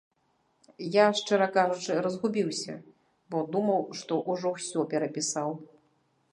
Я шчыра кажучы разгубіўся, бо думаў, што ўжо ўсё перапісаў.